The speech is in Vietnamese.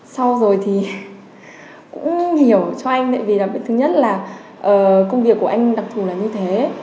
sau rồi thì cũng hiểu cho anh tại vì thứ nhất là công việc của anh đặc thù là như thế